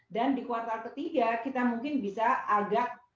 dan di kuartal ke tiga kita mungkin bisa agak berhenti